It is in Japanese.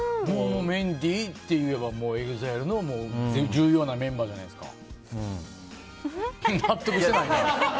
メンディーといえばＥＸＩＬＥの重要なメンバーじゃないですか。